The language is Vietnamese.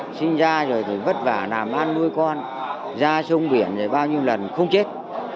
có một gia đình đầu khỏi đầu bố mẹ sinh ra rồi vất vả làm ăn nuôi con ra sông biển rồi bao nhiêu lần không chết